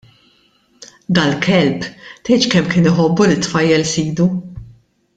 Dal-kelb tgħidx kemm kien iħobbu lit-tfajjel sidu.